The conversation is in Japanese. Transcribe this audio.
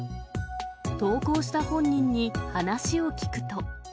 投稿した本人に話を聞くと。